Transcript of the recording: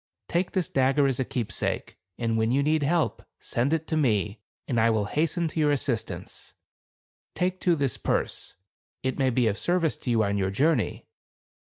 Take this dagger as Tke a keepsake, and when you need help, send ^66ei° it to me, and I will hasten to your assist ^ ance. Take, too, this purse. It may be of service to you on your journey."